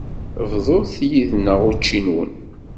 Bḍut yid-nneɣ učči-nwen.